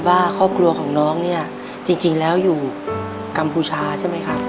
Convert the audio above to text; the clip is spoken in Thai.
ว่าครอบครัวของน้องเนี่ยจริงแล้วอยู่กัมพูชาใช่ไหมครับ